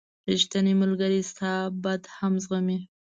• ریښتینی ملګری ستا بد هم زغمي.